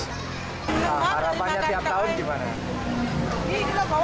harapannya setiap tahun gimana